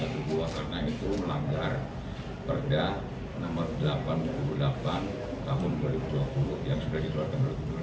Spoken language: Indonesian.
karena itu melanggar perda nomor delapan puluh delapan tahun dua ribu dua puluh yang sudah dikeluarkan